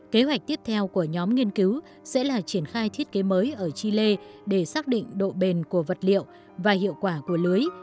kế hoạch tiếp theo của nhóm nghiên cứu sẽ là triển khai thiết kế mới ở chile để xác định độ bền của vật liệu và hiệu quả của lưới